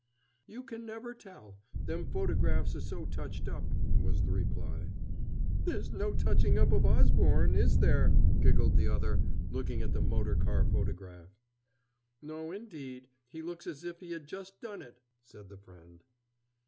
"You can never tell them photographs are so touched up," was the reply. "There's no touching up of Osborne, is there?" giggled the other, looking at the motor car photograph. "No, indeed. He looks as if he had just done it," said the friend.